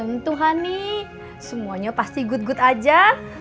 tentu hani semuanya pasti good good aja